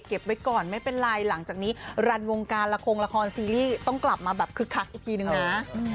ไว้ก่อนไม่เป็นไรหลังจากนี้รันวงการละครงละครละครซีรีส์ต้องกลับมาแบบคึกคักอีกทีนึงนะ